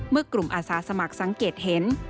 เมื่อกลุ่มอาสาสมัครสังเกตเห็น